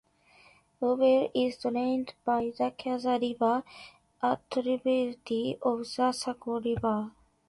Lovell is drained by the Kezar River, a tributary of the Saco River.